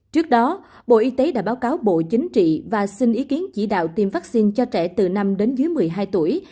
trước đó bộ y tế đã báo cáo bộ chính trị và xin ý kiến chỉ đạo tiêm vaccine cho trẻ từ năm đến dưới một mươi hai tuổi